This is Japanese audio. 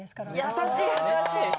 優しい！